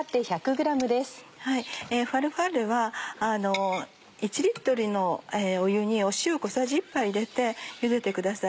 ファルファッレは１の湯に塩小さじ１杯入れてゆでてください。